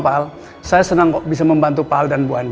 pak saya senang kok bisa membantu pak dan bu andi